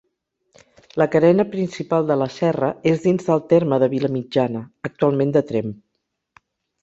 La carena principal de la serra és dins del terme de Vilamitjana, actualment de Tremp.